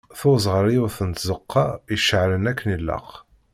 Tuz ɣer yiwet n tzeqqa iceɛlen akken ilaq.